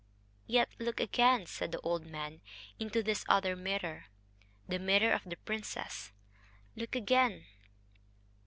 "Yet, look again," said the old man, "into this other mirror, the mirror of the princess. Look again."